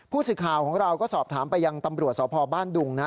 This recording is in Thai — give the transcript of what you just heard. ผู้สื่อข่าวของเราก็สอบถามไปยังตำรวจสพบ้านดุงนะ